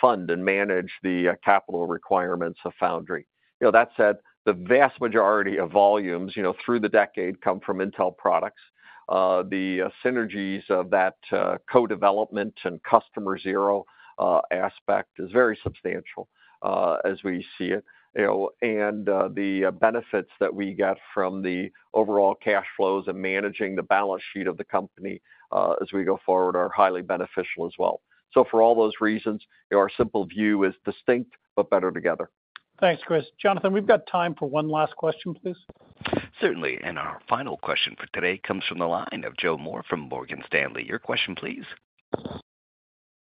fund and manage the capital requirements of Foundry. That said, the vast majority of volumes through the decade come from Intel Products. The synergies of that co-development and customer zero aspect is very substantial as we see it. And the benefits that we get from the overall cash flows and managing the balance sheet of the company as we go forward are highly beneficial as well. So for all those reasons, our simple view is distinct, but Better Together. Thanks, Chris. Jonathan, we've got time for one last question, please. Certainly. And our final question for today comes from the line of Joe Moore from Morgan Stanley. Your question, please.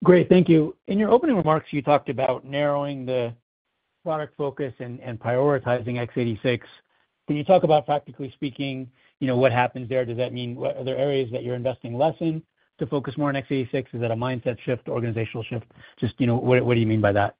Great. Thank you. In your opening remarks, you talked about narrowing the product focus and prioritizing x86. Can you talk about, practically speaking, what happens there? Does that mean are there areas that you're investing less in to focus more on x86? Is that a mindset shift, organizational shift? Just what do you mean by that?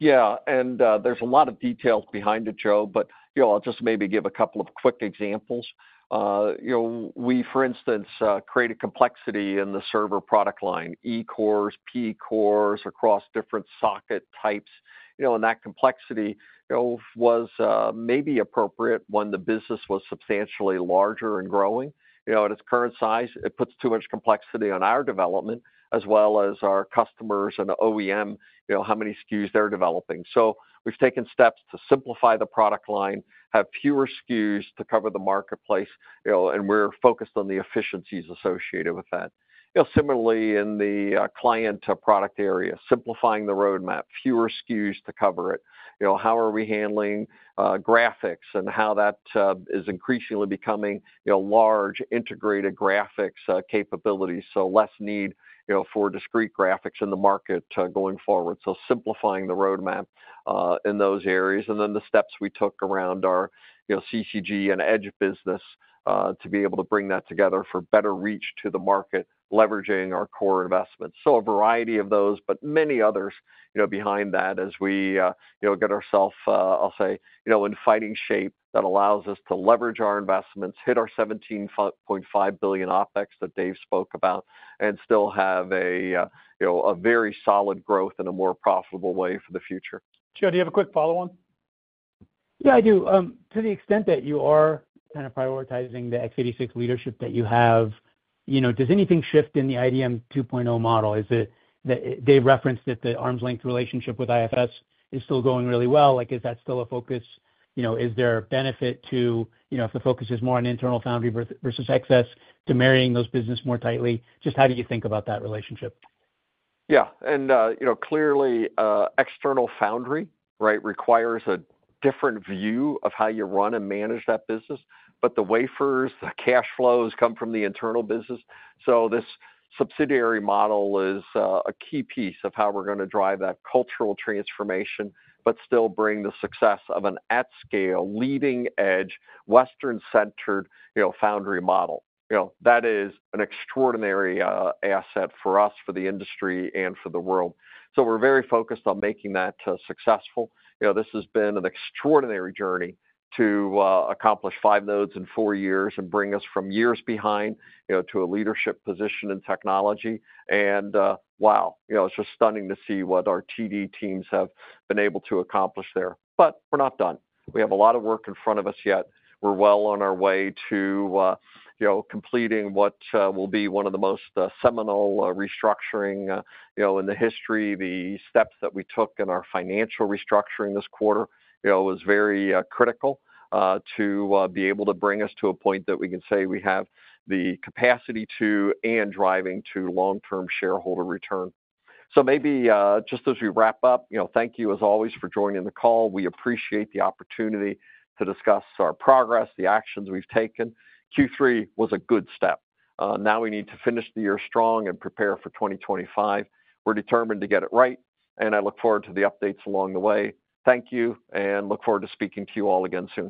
Yeah. And there's a lot of details behind it, Joe, but I'll just maybe give a couple of quick examples. We, for instance, created complexity in the server product line, E-cores, P-cores across different socket types. And that complexity was maybe appropriate when the business was substantially larger and growing. At its current size, it puts too much complexity on our development as well as our customers and OEM, how many SKUs they're developing. So we've taken steps to simplify the product line, have fewer SKUs to cover the marketplace, and we're focused on the efficiencies associated with that. Similarly, in the client product area, simplifying the roadmap, fewer SKUs to cover it. How are we handling graphics and how that is increasingly becoming large, integrated graphics capabilities? So less need for discrete graphics in the market going forward. So simplifying the roadmap in those areas. And then the steps we took around our CCG and edge business to be able to bring that together for better reach to the market, leveraging our core investments. So a variety of those, but many others behind that as we get ourselves, I'll say, in fighting shape that allows us to leverage our investments, hit our $17.5 billion OpEx that Dave spoke about, and still have a very solid growth in a more profitable way for the future. Joe, do you have a quick follow-on? Yeah, I do. To the extent that you are kind of prioritizing the x86 leadership that you have, does anything shift in the IDM 2.0 model? Is it that Dave referenced that the arm's-length relationship with IFS is still going really well? Is that still a focus? Is there a benefit to, if the focus is more on internal Foundry versus x86, to marrying those businesses more tightly? Just how do you think about that relationship? Yeah. Clearly, external Foundry, right, requires a different view of how you run and manage that business. The wafers, the cash flows come from the internal business. This subsidiary model is a key piece of how we're going to drive that cultural transformation, but still bring the success of an at-scale, leading-edge, Western-centered Foundry model. That is an extraordinary asset for us, for the industry, and for the world. We're very focused on making that successful. This has been an extraordinary journey to accomplish five nodes in four years and bring us from years behind to a leadership position in technology. Wow, it's just stunning to see what our TD teams have been able to accomplish there. We're not done. We have a lot of work in front of us yet. We're well on our way to completing what will be one of the most seminal restructuring in the history. The steps that we took in our financial restructuring this quarter was very critical to be able to bring us to a point that we can say we have the capacity to and driving to long-term shareholder return. So maybe just as we wrap up, thank you as always for joining the call. We appreciate the opportunity to discuss our progress, the actions we've taken. Q3 was a good step. Now we need to finish the year strong and prepare for 2025. We're determined to get it right, and I look forward to the updates along the way. Thank you, and look forward to speaking to you all again soon.